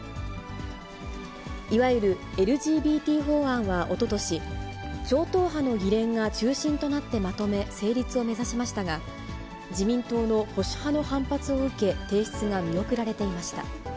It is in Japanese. いわゆる、ＬＧＢＴ法案はおととし、超党派の議連が中心となってまとめ、成立を目指しましたが、自民党の保守派の反発を受け、提出が見送られていました。